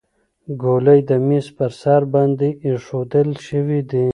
ګولۍ د میز په سر باندې ایښودل شوې دي.